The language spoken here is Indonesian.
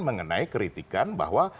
mengenai kritikan bahwa